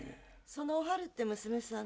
そのおはるって娘さん